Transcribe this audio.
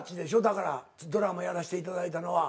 だからドラマやらしていただいたのは。